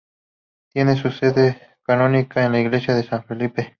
Tiene su sede canónica en la iglesia de San Felipe.